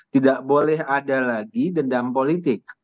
tidak boleh ada lagi dendam politik